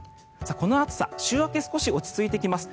この暑さ、週明け少し落ち着いてきます。